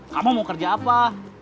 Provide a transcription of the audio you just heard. kamu mau kerja apa